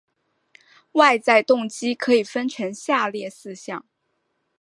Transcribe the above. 外在动机可以分成下列四项